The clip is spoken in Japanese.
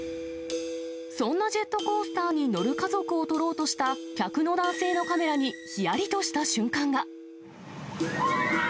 そんなジェットコースターに乗る家族を撮ろうとした客の男性のカメラにひやりとした瞬間が。